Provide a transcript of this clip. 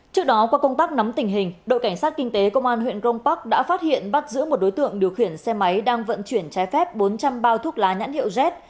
trước đó qua công tác nắm tình hình đội cảnh sát kinh tế công an huyện grong park đã phát hiện bắt giữ một đối tượng điều khiển xe máy đang vận chuyển trái phép bốn trăm linh bao thuốc lá nhãn hiệu z